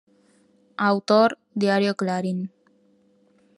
Autor: Diario Clarín.